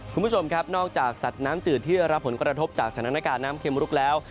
คุณผู้ชมครับนอกจากสัตว์น้ำจืดที่ได้รับผลกระทบจากสถานการณ์น้ำเข็มลุกแล้ว